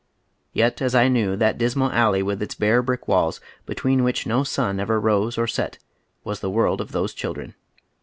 Yet, as I knew, that dismal alley with its bare brick walls, between which no sun ever rose or set, was the world of those children.